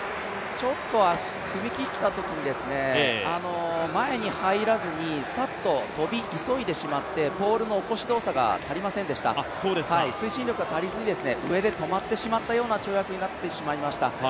ちょっと踏み切ったときに前に入らずに、さっと跳び急いでしまって、ポールの起こし動作が足りませんでした、推進力が足りずに上で止まってしまったような跳躍になってしまいました。